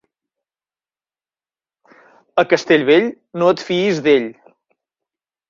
A Castellvell, no et fiïs d'ell.